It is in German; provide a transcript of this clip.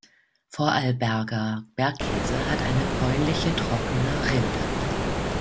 Vorarlberger Bergkäse hat eine bräunliche trockene Rinde.